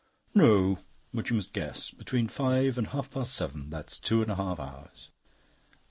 "No, but you must guess. Between five and half past seven that's two and a half hours."